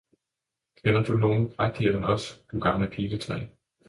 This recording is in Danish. kender du nogen prægtigere end os, du gamle piletræ!